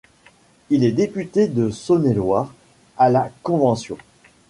Il est député de Saône-et-Loire à la Convention.